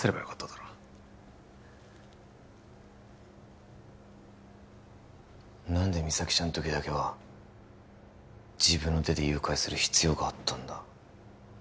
だろ何で実咲ちゃんの時だけは自分の手で誘拐する必要があったんだ？